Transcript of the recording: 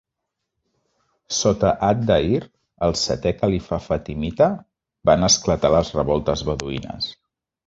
Sota Adh-Dhàhir, el setè califa fatimita, van esclatar les revoltes beduïnes.